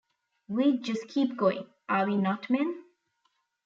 We'd just keep going, Are we not men?